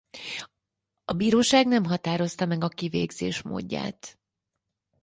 A bíróság nem határozta meg a kivégzés módját.